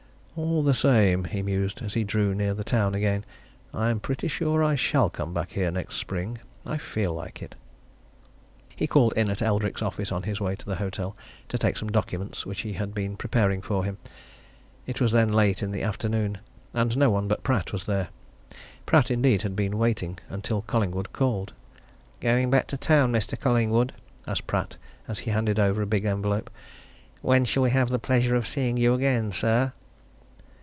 "All the same." he mused, as he drew near the town again, "I'm pretty sure I shall come back here next spring I feel like it." He called in at Eldrick's office on his way to the hotel, to take some documents which had been preparing for him. It was then late in the afternoon, and no one but Pratt was there Pratt, indeed, had been waiting until Collingwood called. "Going back to town, Mr. Collingwood?" asked Pratt as he handed over a big envelope. "When shall we have the pleasure of seeing you again, sir?"